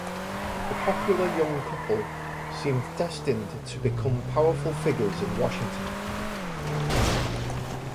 The popular young couple seemed destined to become powerful figures in Washington.